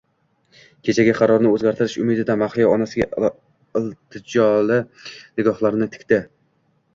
Kechagi qarorni o`zgartirish umidida Mahliyo onasiga iltijoli nigohlarini tikdi